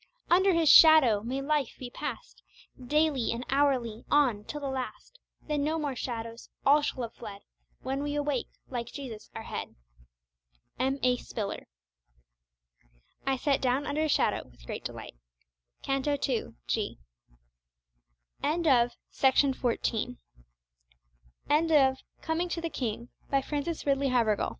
"Under His shadow" may life be passed Daily and hourly on till the last, Then no more shadows, all shall have fled When we awake like Jesus our Head. M A Spiller I sat down under His shadow with great delight. Cant. II G End of Project Gutenberg's Coming to the King, by Frances Ridle